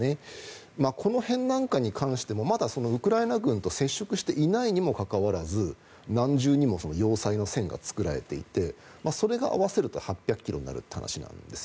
この辺なんかに関してもまだウクライナ軍と接触していないにもかかわらず何重にも要塞の線が作られていてそれが合わせると８００ｋｍになるという話なんです。